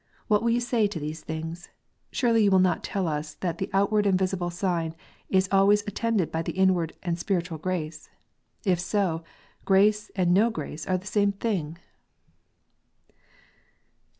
What will you say to these things ? Surely you will not tell us that the outward and visible sign is always attended by the inward and spiritual grace. If so, grace and no grace are the same thing